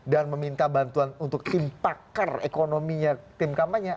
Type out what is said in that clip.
dan meminta bantuan untuk tim pakar ekonominya tim kampanye